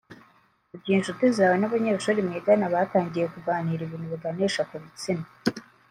Mu gihe incuti zawe n’abanyeshuri mwigana batangiye kuganira ibintu biganisha ku bitsina